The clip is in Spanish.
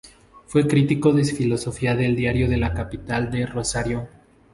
Fue crítico de filosofía del Diario La Capital de Rosario.